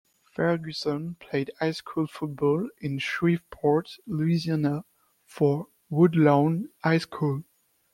Ferguson played high school football in Shreveport, Louisiana, for Woodlawn High School.